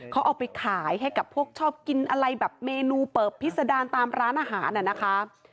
เขาเอาไปขายให้กับพวกชอบกินอะไรแบบเมนูเปิบพิษดารตามร้านอาหารน่ะนะคะ